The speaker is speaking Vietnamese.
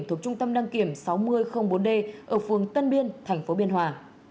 thuộc trung tâm đăng kiểm sáu nghìn bốn d ở phường tân biên tp biên hòa